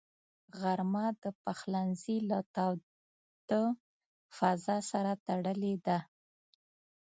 غرمه د پخلنځي له تاوده فضاء سره تړلې ده